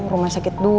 rumah sakit dua